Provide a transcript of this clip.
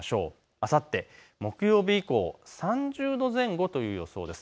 あさって木曜日以降、３０度前後という予想です。